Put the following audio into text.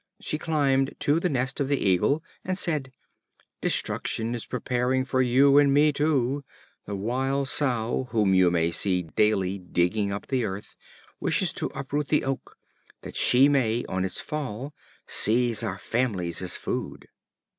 She climbed to the nest of the Eagle, and said: "Destruction is preparing for you, and for me too. The Wild Sow, whom you may see daily digging up the earth, wishes to uproot the oak, that she may, on its fall, seize our families as food."